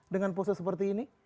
dengan pose seperti ini